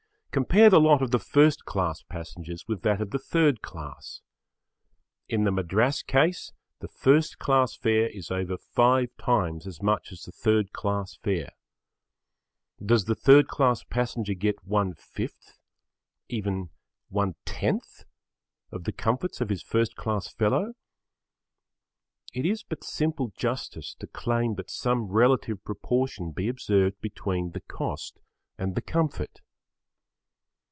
[Pg 7]Compare the lot of the first class passengers with that of the third class. In the Madras case the first class fare is over five times as much as the third class fare. Does the third class passenger get one fifth, even one tenth, of the comforts of his first class fellow? It is but simple justice to claim that some relative proportion be observed between the cost and comfort.